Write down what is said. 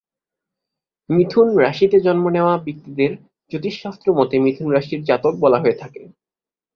মিথুন রাশিতে জন্ম নেয়া ব্যক্তিদের জ্যোতিষ শাস্ত্র মতে মিথুন রাশির জাতক বলা হয়ে থাকে।